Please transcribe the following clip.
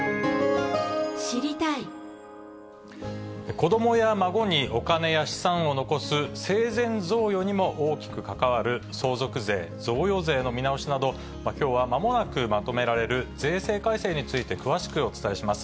子どもや孫にお金や資産を残す生前贈与にも大きく関わる相続税、贈与税の見直しなど、きょうはまもなくまとめられる税制改正について、詳しくお伝えします。